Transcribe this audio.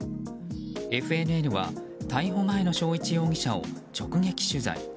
ＦＮＮは逮捕前の生一容疑者を直撃取材。